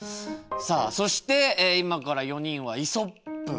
さあそして今から４人は「イソップ」